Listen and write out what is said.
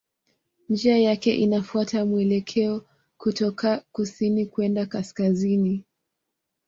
Njia yake inafuata mwelekeo kutoka kusini kwenda kaskazini.